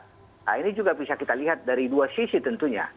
nah ini juga bisa kita lihat dari dua sisi tentunya